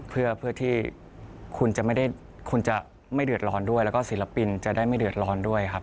เพื่อที่คุณจะไม่ได้คุณจะไม่เดือดร้อนด้วยแล้วก็ศิลปินจะได้ไม่เดือดร้อนด้วยครับ